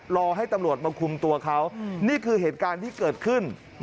รอให้ตำรวจมาคุมตัวเขานี่คือเหตุการณ์ที่เกิดขึ้น